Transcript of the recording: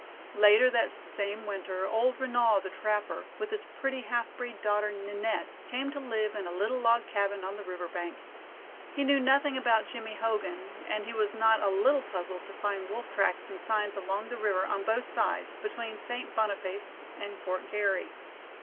Later that same winter old Renaud, the trapper, with his pretty half breed daughter, Ninette, came to live in a little log cabin on the river bank. He knew nothing about Jimmie Hogan, and he was not a little puzzled to find Wolf tracks and signs along the river on both sides between St. Boniface and Fort Garry.